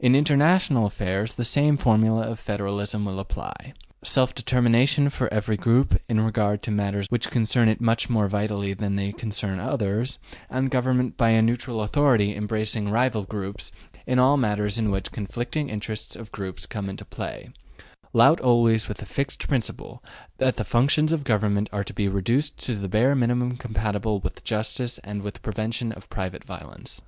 In international affairs the same formula of federalism will apply: self determination for every group in regard to matters which concern it much more vitally than they concern others, and government by a neutral authority embracing rival groups in all matters in which conflicting interests of groups come into play; lout always with the fixed principle that the functions of government are to be reduced to the bare minimum compatible with justice and the prevention of private violence.